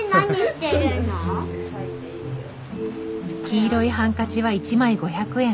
黄色いハンカチは１枚５００円。